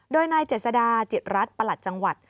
โดยนายเจษดาจิตรัฐประหลัดจังหวัด